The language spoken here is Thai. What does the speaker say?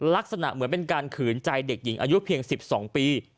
ลักษณะเหมือนเป็นการขืนใจเด็กหญิงอายุเพียง๑๒ปี